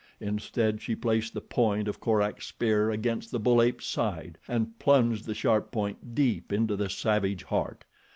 Instead she placed the point of Korak's spear against the bull ape's side and plunged the sharp point deep into the savage heart.